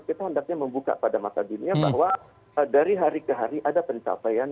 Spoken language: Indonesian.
kita hendaknya membuka pada mata dunia bahwa dari hari ke hari ada pencapaian